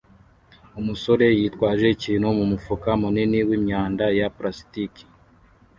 Umusore yitwaje ikintu mumufuka munini wimyanda ya plastiki